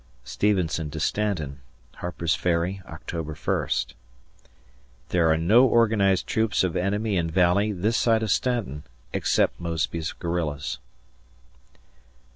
[Stevenson to Stanton] Harper's Ferry, Oct. 1st. There are no organized troops of enemy in Valley this side of Staunton, except Mosby's guerillas.